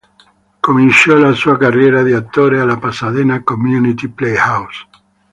Cominciò la sua carriera di attore alla Pasadena Community Playhouse.